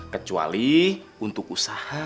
kecuali untuk usaha